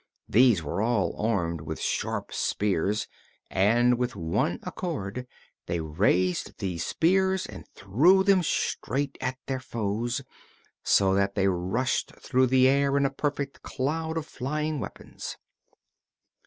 These were all armed with sharp spears and with one accord they raised these spears and threw them straight at their foes, so that they rushed through the air in a perfect cloud of flying weapons.